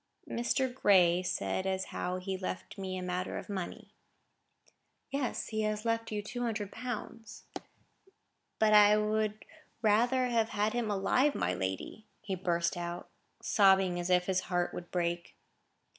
"Mr. Gray said as how he had left me a matter of money." "Yes, he has left you two hundred pounds." "But I would rather have had him alive, my lady," he burst out, sobbing as if his heart would break.